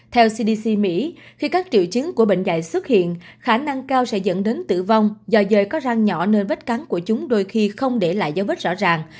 theo cdc mỹ khi các triệu chứng của bệnh dạy xuất hiện khả năng cao sẽ dẫn đến tử vong do dơi có rang nhỏ nơi vết cắn của chúng đôi khi không để lại dấu vết rõ ràng